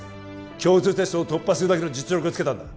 共通テストを突破するだけの実力をつけたんだ